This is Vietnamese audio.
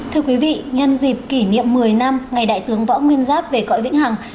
thưa quý vị nhân dịp kỷ niệm một mươi năm ngày đại tướng võ nguyên giáp về cõi vĩnh hằng